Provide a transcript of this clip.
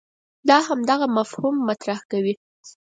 دا همدغه مفهوم مطرح کوي.